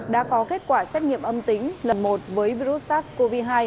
đã có kết quả xét nghiệm âm tính lần một với virus sars cov hai